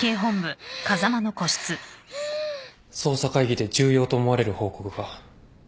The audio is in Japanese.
捜査会議で重要と思われる報告が。